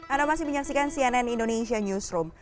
anda masih menyaksikan cnn indonesia newsroom